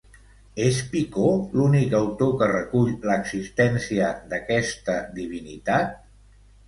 És Picaud l'únic autor que recull l'existència d'aquesta divinitat?